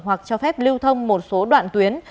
hoặc cho phép lưu thông một số đoạn tuyến